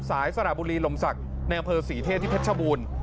สายสระบุรีลมศักดิ์แนวเผอร์ศรีเทศที่เพชรบูรณ์